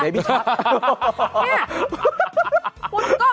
เดี๋ยวพี่ชาติ